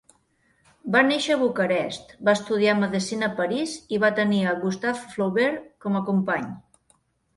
Va néixer a Bucarest, va estudiar medicina a París i va tenir a Gustave Flaubert com a company.